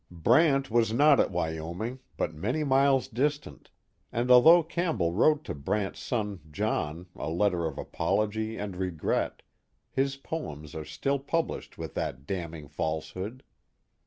Brant was not at Wyoming, but many miles distant, and although Campbell wrote to Brant's son John a letter of apology and regret, his poems are still published with that damning falsehood.